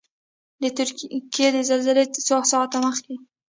د ترکیې تر زلزلې څو ساعته مخکې.